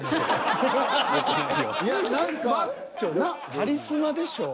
カリスマでしょう。